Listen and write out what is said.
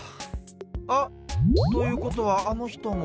あ！ということはあのひとも。